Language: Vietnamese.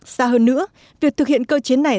xa hơn nữa việc thực hiện cơ chế này